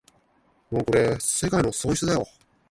もうこれ世界の損失だよ